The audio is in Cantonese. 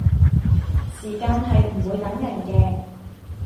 時間係唔會等人嘅